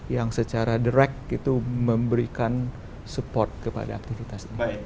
yang secara derek itu memberikan support kepada aktivitas ini